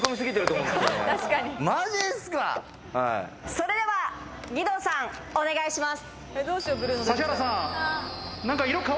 それでは義堂さん、お願いします。